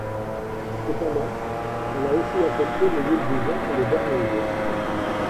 Cependant, elle a aussi affecté les Îles du Vent et les Bermudes.